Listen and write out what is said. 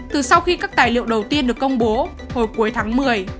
từ sau khi các tài liệu đầu tiên được công bố hồi cuối tháng một mươi